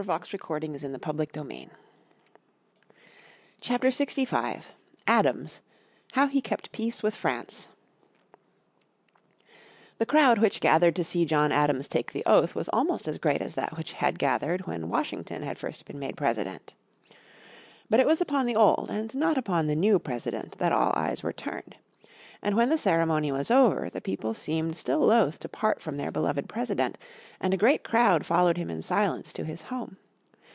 Then, as second President, the people chose John Adams, who had already been Vice President. __________ Chapter 65 Adams How He Kept Peace with France The crowd which gathered to see John Adams take the oath was almost as great as that which had gathered when Washington had first been made President. But it was upon the old and not upon the new President that all eyes were turned. And when the ceremony was over the people seemed still loath to part from their beloved President, and a great crowd followed him in silence to his home.